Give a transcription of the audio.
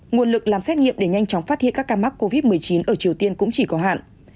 nguồn lực làm xét nghiệm để nhanh chóng phát hiện các ca mắc covid một mươi chín ở triều tiên cũng chỉ có hạn